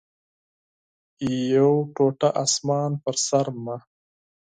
یو ټوټه اسمان پر سر مې